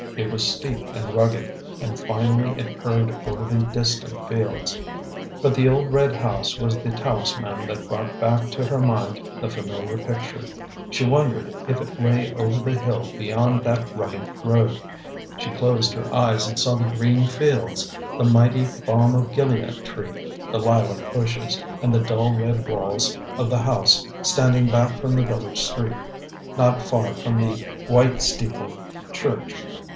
It was steep and rugged, and finally it curved over the distant fields. But the old red house was the talisman that brought back to her mind the familiar picture. She wondered if it lay over the hill beyond that rugged road. She closed her eyes and saw the green fields, the mighty balm of gilead tree, the lilac bushes, and the dull red walls of the house standing back from the village street, not far from the white steepled church.